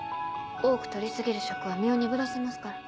多く取り過ぎる食は身を鈍らせますから。